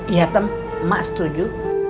iya tem emak setuju